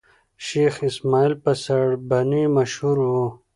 شېخ اسماعیل په سړبني مشهور وو.